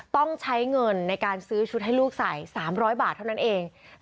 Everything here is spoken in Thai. ต้องใช้เงินในการซื้อชุดให้ลูกใส่๓๐๐บาทเท่านั้นเอง